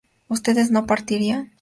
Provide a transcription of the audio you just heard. ¿Ustedes no partirían?